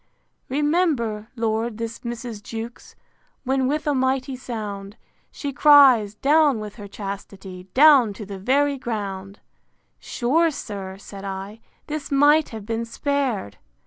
VIII. Remember, Lord, this Mrs. Jewkes, When with a mighty sound, She cries, Down with her chastity, Down to the very ground! Sure, sir, said I, this might have been spared!